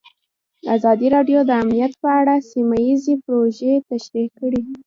ازادي راډیو د امنیت په اړه سیمه ییزې پروژې تشریح کړې.